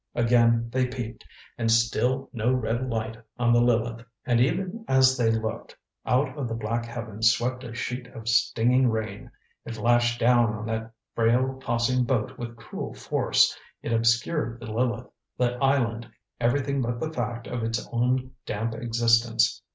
Again they peeped. And still no red light on the Lileth. And even as they looked, out of the black heavens swept a sheet of stinging rain. It lashed down on that frail tossing boat with cruel force; it obscured the Lileth, the island, everything but the fact of its own damp existence.